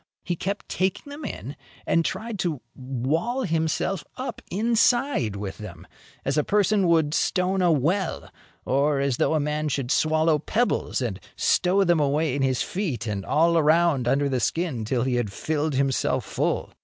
He kept taking them in and tried to wall himself up inside with them, as a person would stone a well or as though a man should swallow pebbles and stow them away in his feet and all around under the skin, till he had filled himself full.